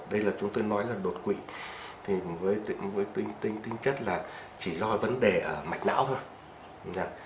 đây là chúng tôi nói là đột quỵ thì với tinh chất là chỉ do vấn đề ở mạch não thôi